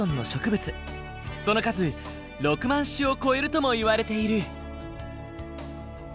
その数６万種を超えるともいわれている。